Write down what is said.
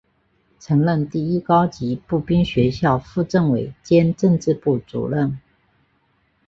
曾任第一高级步兵学校副政委兼政治部主任。